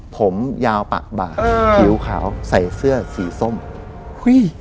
ผมยาวปากบาดผิวขาวใส่เสื้อสีส้มอุ้ย